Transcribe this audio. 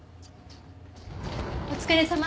お疲れさま。